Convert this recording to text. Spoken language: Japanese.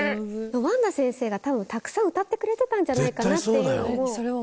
ワンダ先生が多分たくさん歌ってくれてたんじゃないかなっていうのを。